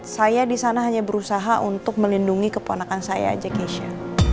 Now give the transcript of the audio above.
saya di sana hanya berusaha untuk melindungi keponakan saya aja keisha